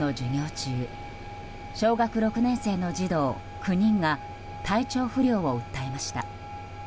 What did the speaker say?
中小学６年生の児童９人が体調不良を訴えました。